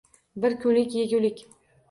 Bir kunlik yegulik